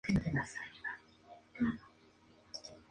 Somos personas diferentes, ¿no es así?